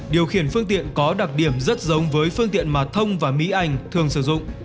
điều khiển phương tiện có đặc điểm rất giống với phương tiện mà thông và mỹ anh thường sử dụng